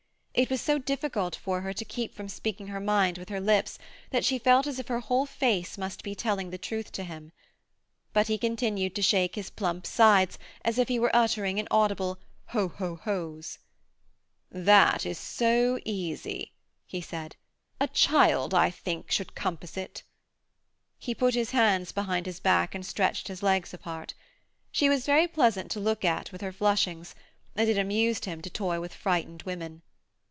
It was so difficult for her to keep from speaking her mind with her lips that she felt as if her whole face must be telling the truth to him. But he continued to shake his plump sides as if he were uttering inaudible, 'Ho ho ho's.' 'That is so easy,' he said. 'A child, I think, could compass it.' He put his hands behind his back and stretched his legs apart. She was very pleasant to look at with her flushings, and it amused him to toy with frightened women.